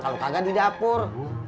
kalo kagak di dapur